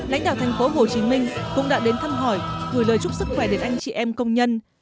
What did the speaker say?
lãnh đạo tp hcm cũng đã đến thăm hỏi gửi lời chúc sức khỏe đến anh chị em công nhân